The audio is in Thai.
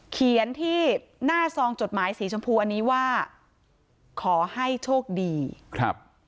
เขียนที่หน้าซองจดหมายสีชมพูอันนี้ว่าขอให้โชคดีครับ